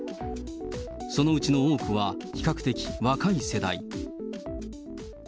そのうちの多くは比較的若い世代。